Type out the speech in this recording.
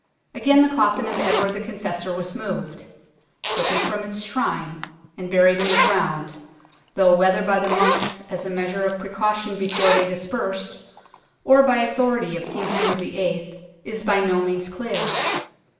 Again the coffin of Edward the Confessor was moved taken from its Shrine and buried in the ground, though whether by the monks as a measure of precaution before they dispersed, or by authority of King Henry VIII. is by no means clear.